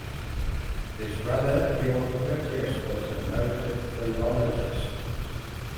His brother, Georg Curtius, was a noted philologist.